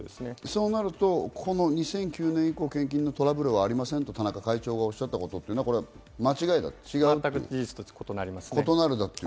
そうなると２００９年以降、献金などのトラブルはありませんと、田中会長がおっしゃったこと全く事実と異なります。